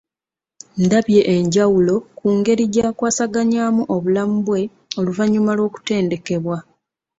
Ndabye enjawulo ku ngeri jakwasaganya obulamu bwe oluvannyuma lw'okutendekebwa ,